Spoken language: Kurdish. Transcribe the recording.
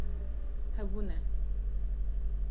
Hebûne